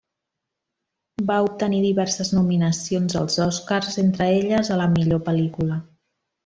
Va obtenir diverses nominacions als Oscars, entre elles a la millor pel·lícula.